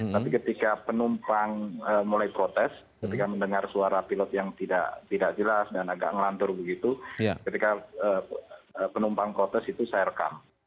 tapi ketika penumpang mulai protes ketika mendengar suara pilot yang tidak jelas dan agak ngelantur begitu ketika penumpang protes itu saya rekam